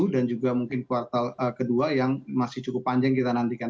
dan juga mungkin kuartal kedua yang masih cukup panjang kita nantikan